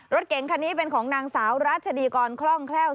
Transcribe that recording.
รถเก๋งคันนี้เป็นของนางสาวรัชดีกรคล่องแคล่ว